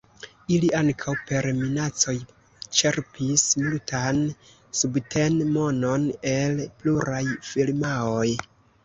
Ili ankaŭ per minacoj ĉerpis multan subten-monon el pluraj firmaoj.